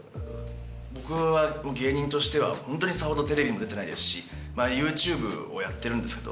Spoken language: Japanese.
僕は芸人としてはホントにさほどテレビにも出てないですしＹｏｕＴｕｂｅをやってるんですけど。